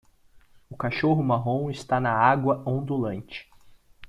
O cachorro marrom está na água ondulante.